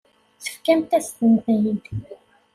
Tefkamt-asent-ten-id.